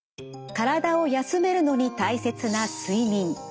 体を休めるのに大切な睡眠。